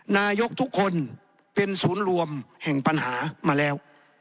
นายกทุกคนเป็นศูนย์รวมแห่งปัญหามาแล้ว